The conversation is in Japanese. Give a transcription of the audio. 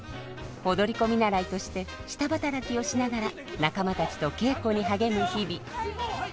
踊り子見習いとして下働きをしながら仲間たちと稽古に励む日々。